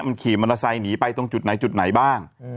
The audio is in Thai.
มันขี่มอเตอร์ไซค์หนีไปตรงจุดไหนจุดไหนบ้าง